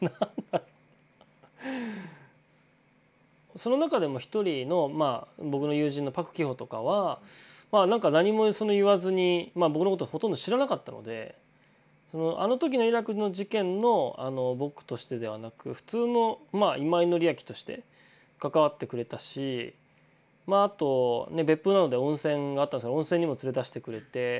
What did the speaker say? その中でも一人のまあ僕の友人のパクキホとかは何も言わずにまあ僕のことほとんど知らなかったのであの時のイラクの事件の僕としてではなく普通の今井紀明として関わってくれたしあと別府なので温泉があったんですけど温泉にも連れ出してくれて。